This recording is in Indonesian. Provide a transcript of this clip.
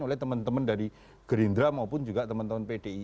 oleh teman teman dari gerindra maupun pdi